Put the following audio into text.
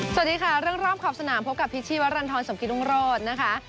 สวัสดีค่ะเรื่องรอบขอบสนามพบกับพิชชีวรรณฑรสมกิตรุงโรธนะคะ